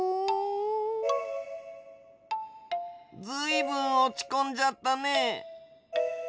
ずいぶんおちこんじゃったね。